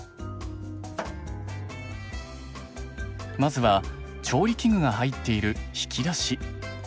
まずは調理器具が入っている引き出し。